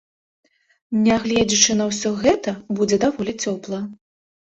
Нягледзячы на ўсё гэта, будзе даволі цёпла.